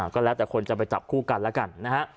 ก็แล้วแต่คนจะไปจับคู่กันแล้วกันนะฮะ